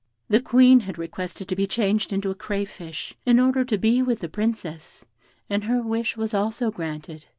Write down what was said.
The Queen had requested to be changed into a crayfish, in order to be with the Princess, and her wish was also granted.